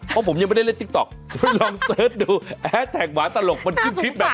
เพราะผมยังไม่ได้เล่นติ๊กต๊อกคุณลองเสิร์ชดูแฮสแท็กหมาตลกมันขึ้นทริปแบบนี้